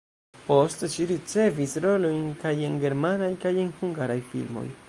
Poste ŝi ricevis rolojn kaj en germanaj, kaj en hungaraj filmoj.